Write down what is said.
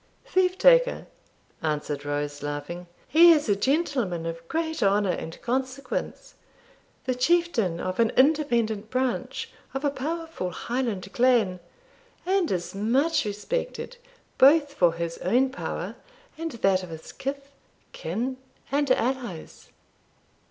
'Thief taker!' answered Rose, laughing; 'he is a gentleman of great honour and consequence, the chieftain of an independent branch of a powerful Highland clan, and is much respected, both for his own power and that of his kith, kin, and allies.'